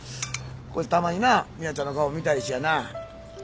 こうやってたまにな美羽ちゃんの顔見たいしやな。